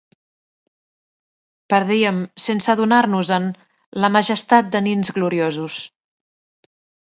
Perdíem, sense adonar-nos-en, la majestat de nins gloriosos.